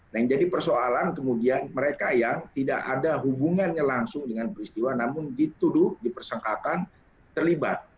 nah yang jadi persoalan kemudian mereka yang tidak ada hubungannya langsung dengan peristiwa namun dituduh dipersangkakan terlibat